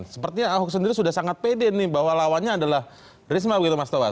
sepertinya ahok sendiri sudah sangat pede nih bahwa lawannya adalah risma begitu mas tobas